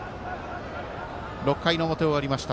６回の表、終わりました。